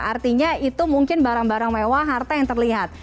artinya itu mungkin barang barang mewah harta yang terlihat